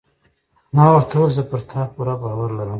ما ورته وویل: زه پر تا پوره باور لرم.